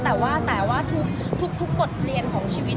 แต่ว่าทุกกฎเรียนของชีวิต